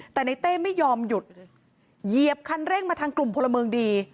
แต่ในเต้ไม่ยอมหยุดเหยียบคันเร่งมาทางกลุ่มพลเมืองดี